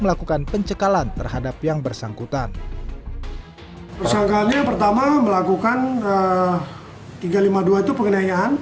melakukan pencekalan terhadap yang bersangkutan tersangkanya pertama melakukan tiga ratus lima puluh dua itu penganiayaan